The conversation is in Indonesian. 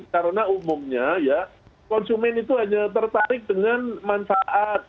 karena umumnya ya konsumen itu hanya tertarik dengan manfaat